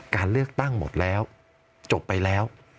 การเลือกตั้งหมดแล้วจบไปแล้ว